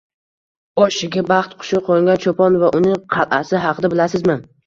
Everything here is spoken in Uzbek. Boshiga baxt qushi qoʻngan choʻpon va uning qalʼasi haqida bilasizmi?